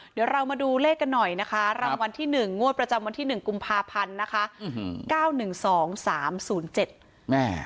เดี๋ยวเรามาดูเลขกันหน่อยนะคะรางวัลที่๑งวดประจำวันที่หนึ่งกุมภาพันธ์นะคะ๙๑๒๓๐๗แม่